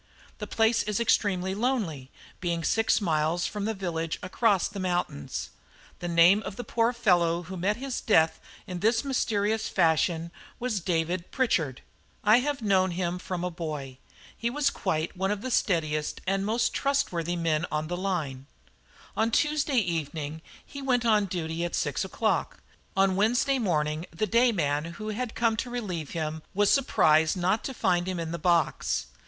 The place is extremely lonely, being six miles from the village across the mountains. The name of the poor fellow who met his death in this mysterious fashion was David Pritchard. I have known him from a boy, and he was quite one of the steadiest and most trustworthy men on the line. On Tuesday evening he went on duty at six o'clock; on Wednesday morning the day man who had come to relieve him was surprised not to find him in the box.